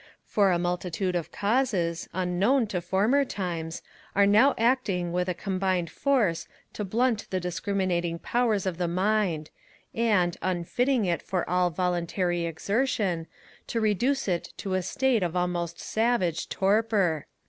For a multitude of causes, unknown to former times, are now acting with a combined force to blunt the discriminating powers of the mind, and, unfitting it for all voluntary exertion, to reduce it to a state of almost savage torpor.